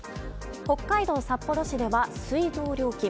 北海道札幌市では水道料金。